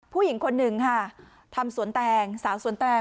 ผู้หญิงคนหนึ่งค่ะทำสวนแตงสาวสวนแตง